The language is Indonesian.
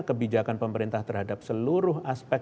kebijakan pemerintah terhadap seluruh aspek